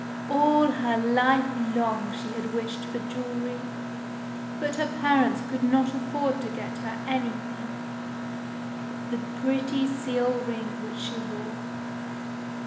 All her life long she had wished for jewelry, but her parents could not afford to get her anything but the pretty seal ring which she wore.